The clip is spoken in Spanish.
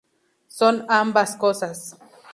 Son ambas cosas.